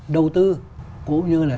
đầu tư cũng như là